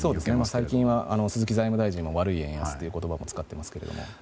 最近は鈴木財務大臣が悪い円安という言葉も使っていますけども。